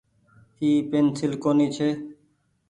اي پينسيل ڪونيٚ ڇي۔